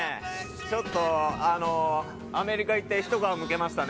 ちょっとアメリカ行ってひと皮むけましたね。